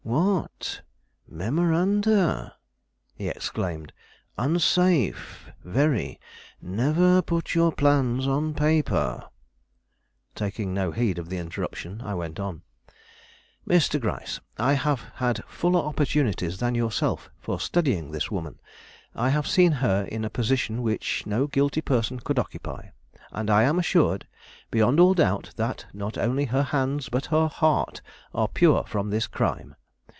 "What! memoranda?" he exclaimed. "Unsafe, very; never put your plans on paper." Taking no heed of the interruption, I went on. "Mr. Gryce, I have had fuller opportunities than yourself for studying this woman. I have seen her in a position which no guilty person could occupy, and I am assured, beyond all doubt, that not only her hands, but her heart, are pure from this crime.